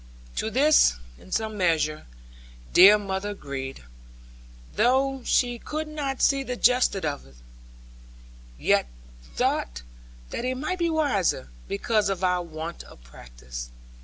To this, in some measure, dear mother agreed, though she could not see the justice of it, yet thought that it might be wiser, because of our want of practice.